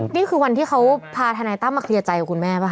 นี่คือวันที่เขาพาทนายตั้มมาเคลียร์ใจกับคุณแม่ป่